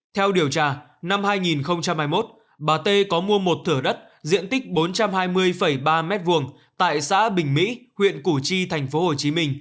theo điều tra năm hai nghìn hai mươi một bà t có mua một thửa đất diện tích bốn trăm hai mươi ba m hai tại xã bình mỹ huyện củ chi tp hcm